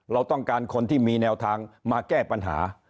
เราต้องการคนที่มีแนวทางมาแก้ปัญหา